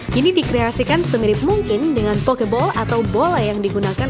kini dikreasikan semirip mungkin dengan pokebal atau bola yang digunakan